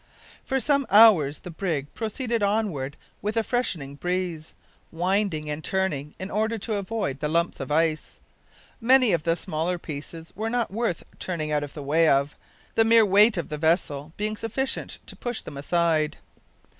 For some hours the brig proceeded onward with a freshening breeze, winding and turning in order to avoid the lumps of ice. Many of the smaller pieces were not worth turning out of the way of, the mere weight of the vessel being sufficient to push them aside.